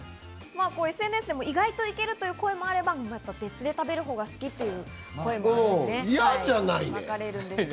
ＳＮＳでも意外といけるという声もあれば、別で食べるほうが好きという声もあるんですね。